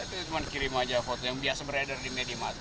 saya cuma kirim aja foto yang biasa beredar di media